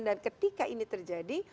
dan ketika ini terjadi